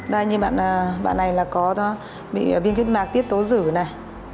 đây như bạn này là có viêm kết mạc tiết tố rử này